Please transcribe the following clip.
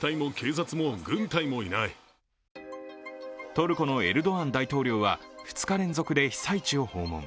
トルコのエルドアン大統領は２日連続で被災地を訪問。